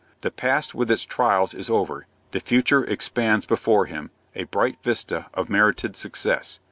The past with its trials is over; the future expands before him, a bright vista of merited success.